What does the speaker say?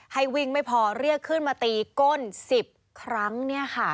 ให้วิ่งไม่พอเรียกขึ้นมาตีก้น๑๐ครั้ง